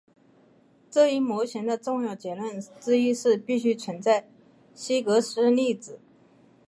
这一模型的重要结论之一是必须存在希格斯粒子。